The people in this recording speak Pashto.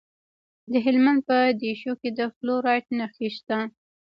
د هلمند په دیشو کې د فلورایټ نښې شته.